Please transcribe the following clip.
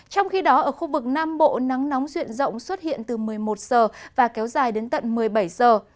trong khi đó ở khu vực nam bộ nắng nóng duyện rộng xuất hiện từ một mươi một giờ và kéo dài đến tận một mươi bảy giờ